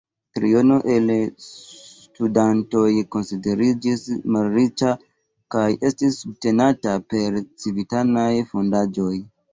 Triono el la studantoj konsideriĝis malriĉa kaj estis subtenata pere de civitanaj fondaĵoj.